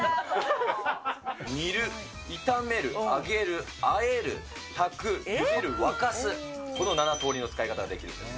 煮る、炒める、揚げる、あえる、炊く、ゆでる、沸かす、この７通りの使い方ができるんです。